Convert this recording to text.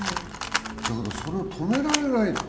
だけど、それを止められない。